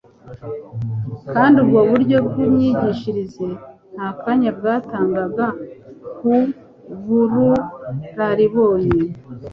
kandi ubwo buryo bw'imyigishirize nta kanya bwatangaga ku buruararibonye